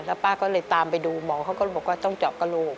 แล้วป้าก็เลยตามไปดูหมอเขาก็บอกว่าต้องเจาะกระโหลก